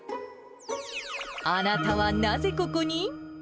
あなたはなぜココに？